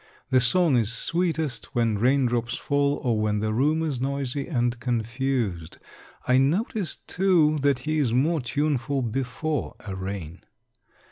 The song is sweetest when raindrops fall or when the room is noisy and confused. I notice, too, that he is more tuneful before a rain.